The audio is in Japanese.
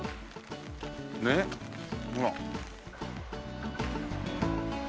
ねっほら。